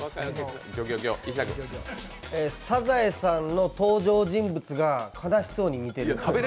サザエさんの登場人物が悲しそうに見てる。